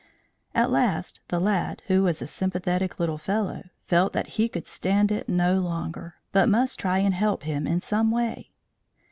At last the lad, who was a sympathetic little fellow, felt that he could stand it no longer, but must try and help him in some way.